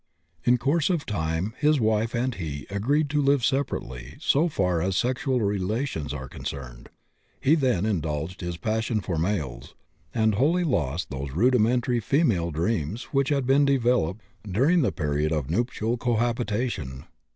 In course of time, his wife and he agreed to live separately so far as sexual relations are concerned. He then indulged his passion for males, and wholly lost those rudimentary female dreams which had been developed during the period of nuptial cohabitation."